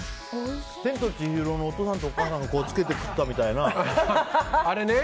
「千と千尋」のお父さんとお母さんがつけて食ったみたいな。